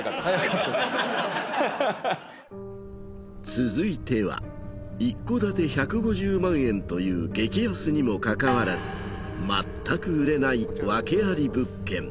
続いては一戸建て１５０万円という激安にもかかわらず全く売れない訳あり物件。